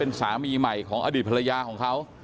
สามีใหม่ของอดีตภรรยาของเขา